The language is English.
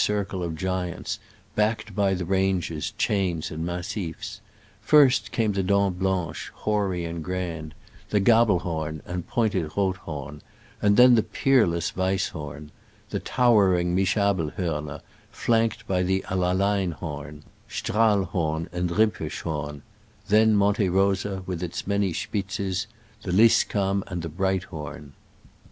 155 cles of giants, backed by the ranges, chains and massifs. First came the Dent Blanche, hoary and grand; the Gabelhorn and pointed Rothhom, and then the peerless Weisshorn ; the tower ing Mischabelhorner, flanked by the Allaleinhorn, Strahlhorn and Rimpfisch horn ; then Monte Rosa — with its many Spitzes — the Lyskamm and the Breit horn.